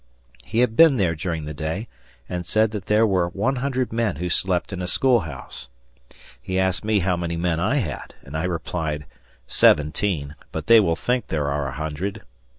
He had been there during the day and said that there were 100 men who slept in a schoolhouse. He asked me how many men I had, and I replied, "Seventeen, but they will think there are a hundred."